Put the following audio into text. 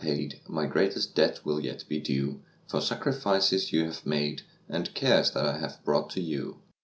'* 7^0 My greatest debt will yet be due For sacrifices you bave made And cares that I have brought to you.